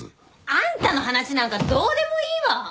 あんたの話なんかどうでもいいわ！